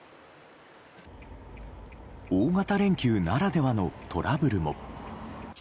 大型連休ならではのトラブルも。